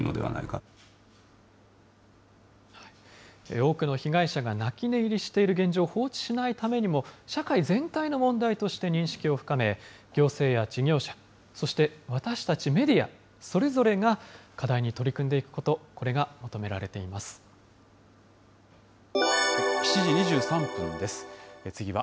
多くの被害者が泣き寝入りしている現状を放置しないためにも、社会全体の問題として認識を深め、行政や事業者、そして私たちメディアそれぞれが課題に取り組んでいくこと、これ７時２３分です。